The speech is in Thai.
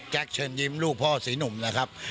เชิญยิ้มลูกพ่อสีหนุ่มนะครับ